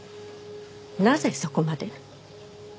なぜそこまで？